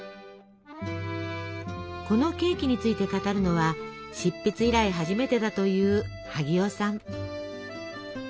このケーキについて語るのは執筆以来初めてだという萩尾さん。